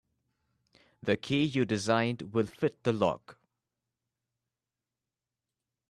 The key you designed will fit the lock.